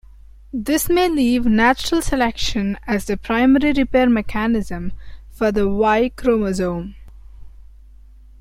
This may leave natural selection as the primary repair mechanism for the Y chromosome.